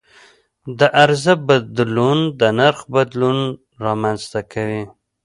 د عرضه بدلون د نرخ بدلون رامنځته کوي.